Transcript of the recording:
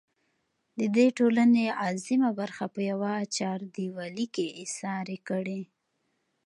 د دې ټـولنې اعظـيمه بـرخـه پـه يـوه چـارديـوالي کـې اېـسارې کـړي.